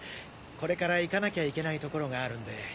これから行かなきゃいけない所があるんで。